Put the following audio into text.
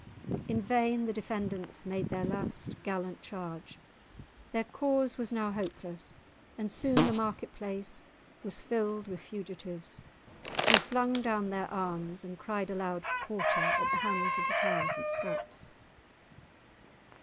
In vain the defenders made their last gallant charge; their cause was now hopeless, and soon the market place was filled with fugitives, who flung down their arms and cried aloud for quarter at the hands of the triumphant Scots.